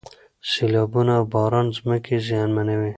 سیلابونه او باران ځمکې زیانمنوي.